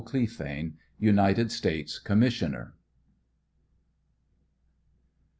CLEPHANE, United States Gommissioner.